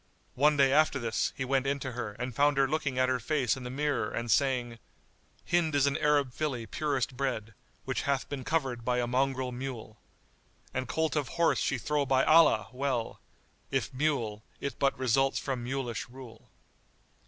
One day after this, he went in to her and found her looking at her face in the mirror and saying, "Hind is an Arab filly purest bred, * Which hath been covered by a mongrel mule; An colt of horse she throw by Allah! well; * If mule, it but results from mulish rule."